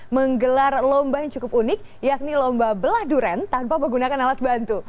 menggelar lomba yang cukup unik yakni lomba belah durian tanpa menggunakan alat bantu